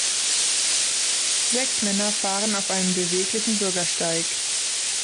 Sechs Männer fahren auf einem beweglichen Bürgersteig.